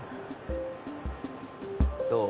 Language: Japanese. どう？